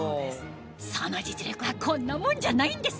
その実力はこんなもんじゃないんです